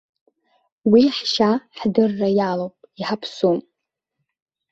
Уи ҳшьа ҳдырра иалоуп, иҳаԥсуп.